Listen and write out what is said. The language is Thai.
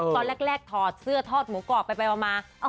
ตอนแรกถอดเสื้อทอดหมูกรอบไปมา